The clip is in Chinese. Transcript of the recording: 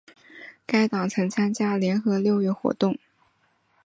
该党曾参加联合六月运动。